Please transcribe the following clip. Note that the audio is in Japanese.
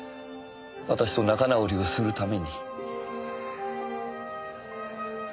私と仲直りをするために。